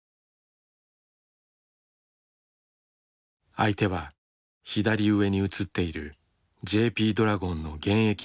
相手は左上に写っているＪＰドラゴンの現役の幹部だという。